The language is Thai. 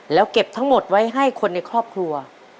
แล้วเก็บทั้งหมดไว้ให้คนในครอบครัว